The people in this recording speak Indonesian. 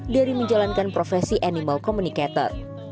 dari menjalankan profesi animal communicator